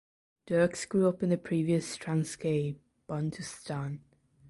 Dirks grew up in the previous Transkei bantustan.